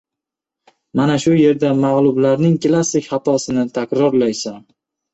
Mana shu yerda magʻlublarning klassik xatosini takrorlaysan.